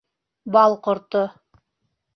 Бал ҡорто